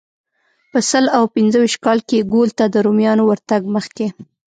په سل او پنځه ویشت کال کې ګول ته د رومیانو ورتګ مخکې.